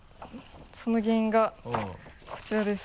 その原因がこちらです。